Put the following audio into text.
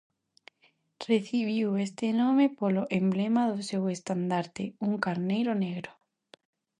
Recibiu este nome polo emblema do seu estandarte, un carneiro negro.